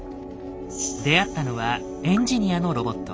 出会ったのはエンジニアのロボット。